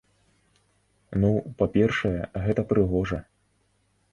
Ну, па-першае, гэта прыгожа.